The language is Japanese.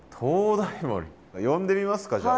呼んでみますかじゃあ。